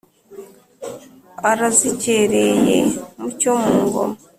arazicyereye mucyo-mu-ngoma